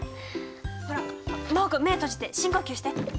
ほら真旺君目閉じて深呼吸して。